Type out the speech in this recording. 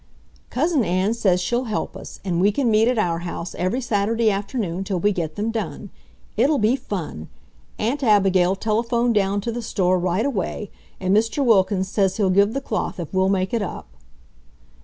"Cousin Ann says she'll help us, and we can meet at our house every Saturday afternoon till we get them done. It'll be fun! Aunt Abigail telephoned down to the store right away, and Mr. Wilkins says he'll give the cloth if we'll make it up."